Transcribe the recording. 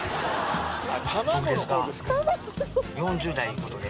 ４０代いうことで。